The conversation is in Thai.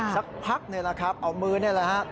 สักพักนี่แหละครับเอามือนี่แหละฮะ